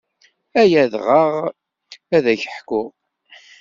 Ay adɣaɣ ad ak-ḥkuɣ.